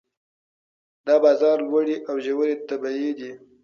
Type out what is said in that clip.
د بازار لوړې او ژورې طبیعي دي.